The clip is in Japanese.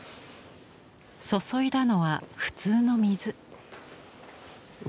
注いだのは普通の水。